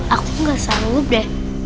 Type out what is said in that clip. aku gak selalu deh